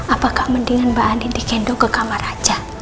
apakah mendingan mbak andin digendong ke kamar aja